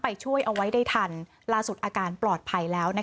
ช่วยเอาไว้ได้ทันล่าสุดอาการปลอดภัยแล้ว